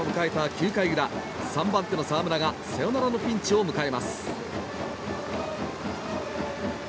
９回裏３番手の沢村がサヨナラのピンチを迎えます。